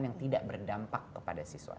yang tidak berdampak kepada siswa